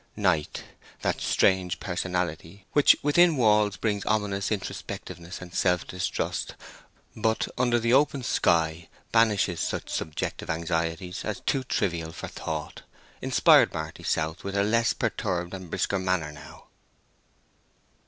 Night, that strange personality, which within walls brings ominous introspectiveness and self distrust, but under the open sky banishes such subjective anxieties as too trivial for thought, inspired Marty South with a less perturbed and brisker manner now.